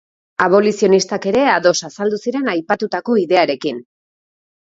Abolizionistak ere ados azaldu ziren aipatutako ideiarekin.